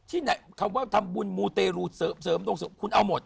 ที่ไหนคำว่าทำบุญมูเตรูเสริมดวงเสริมคุณเอาหมด